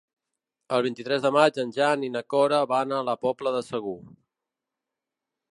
El vint-i-tres de maig en Jan i na Cora van a la Pobla de Segur.